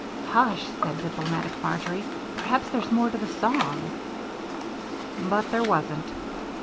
"Hush!" said diplomatic Marjory, "perhaps there's more to the song." But there wasn't.